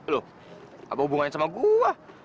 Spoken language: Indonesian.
loh apa hubungannya sama gue